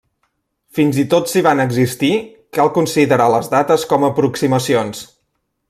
Fins i tot si van existir, cal considerar les dates com a aproximacions.